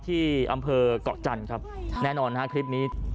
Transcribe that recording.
ที่อำเภอก่อจันทร์ครับแน่นอนครับคลิปนี้